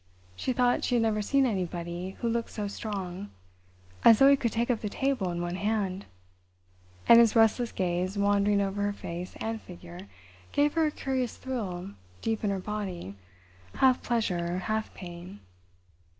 She thought she had never seen anybody who looked so strong—as though he could take up the table in one hand—and his restless gaze wandering over her face and figure gave her a curious thrill deep in her body, half pleasure, half pain....